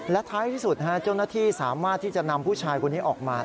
และท้ายที่สุดเจ้าหน้าที่สามารถที่จะนำผู้ชายคนนี้ออกมา